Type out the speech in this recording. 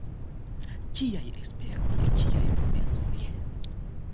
Kiaj esperoj, kiaj promesoj?